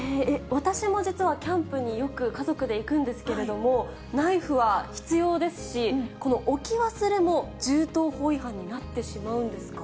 私も実はキャンプによく家族で行くんですけれども、ナイフは必要ですし、この置き忘れも、銃刀法違反になってしまうんですか。